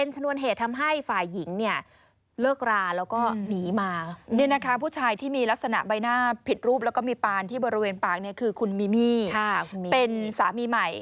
จนทำให้ฝ่ายหญิงทนไม่ไหว